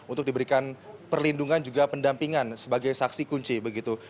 untuk diberikan perlindungan juga pendampingan sebagai saksi kunci begitu